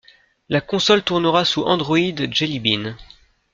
La console tournera sous Android Jelly Bean.